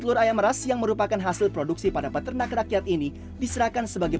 telur ayam ras yang merupakan hasil produksi pada peternak rakyat ini diserahkan sebagai